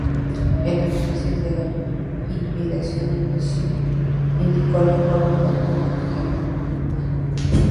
El Análisis de hibridación indicó la forma del genoma.